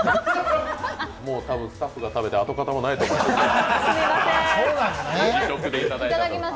スタッフが食べて、跡形もないと思います。